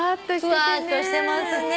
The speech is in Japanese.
ふわっとしてますね。